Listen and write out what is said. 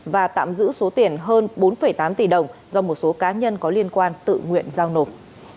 và tạm giữ số tiền hơn bốn tám tỷ đồng do một số cá nhân có liên quan tự nguyện giao nộp